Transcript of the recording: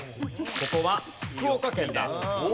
ここは福岡県だ。